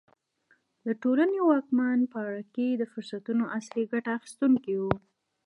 د ټولنې واکمن پاړکي د فرصتونو اصلي ګټه اخیستونکي وو.